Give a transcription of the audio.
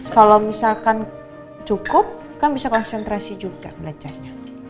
kalau misalkan cukup kan bisa konsentrasi juga belajarnya